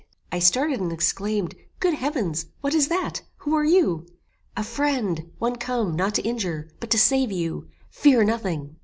I started and exclaimed, "Good heavens! what is that? Who are you?" "A friend; one come, not to injure, but to save you; fear nothing."